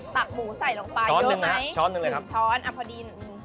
ตักหมูใส่ลงไปยอดมั้ยนิดช้อนพอดี